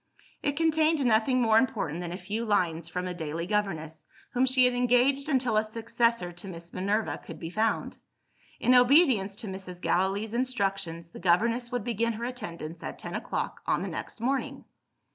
It contained nothing more important than a few lines from a daily governess, whom she had engaged until a successor to Miss Minerva could be found. In obedience to Mrs. Gallilee's instructions, the governess would begin her attendance at ten o'clock on the next morning.